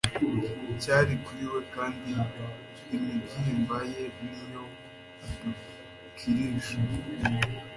cyari kuri we kandi imibyimba ye ni yo adukirisha.